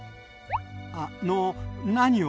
あの何を？